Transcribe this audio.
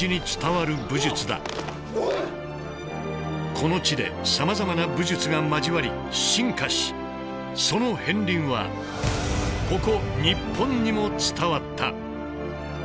この地でさまざまな武術が交わり進化しその片りんはここ日本にも伝わった。